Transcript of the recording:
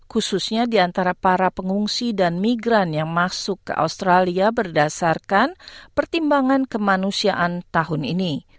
khususnya di antara para pengungsi dan migran yang masuk ke australia berdasarkan pertimbangan kemanusiaan tahun ini